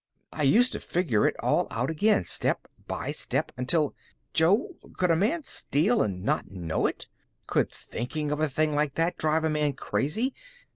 I used to figure it all out again, step by step, until Jo, could a man steal and not know it? Could thinking of a thing like that drive a man crazy?